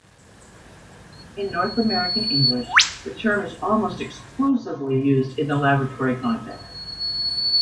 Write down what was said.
In North American English, the term is almost exclusively used in the laboratory context.